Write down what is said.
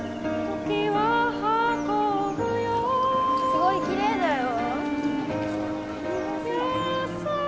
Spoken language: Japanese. すごいきれいだよ。